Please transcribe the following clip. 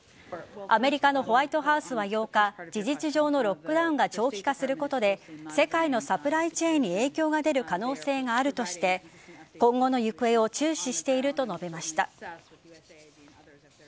アメリカのホワイトハウスは８日事実上のロックダウンが長期化することで世界のサプライチェーンに影響が出る可能性があるとして今後の行方を注視していると述べました。